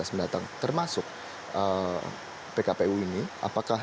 mendatang termasuk pkpu ini apakah